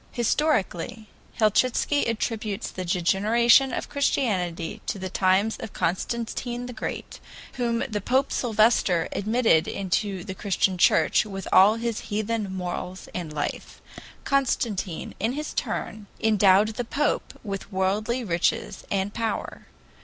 "Historically, Helchitsky attributes the degeneration of Christianity to the times of Constantine the Great, whom he Pope Sylvester admitted into the Christian Church with all his heathen morals and life. Constantine, in his turn, endowed the Pope with worldly riches and power.